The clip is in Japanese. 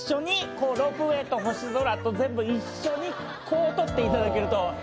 こうロープウェイと星空と全部一緒にこう撮っていただけると。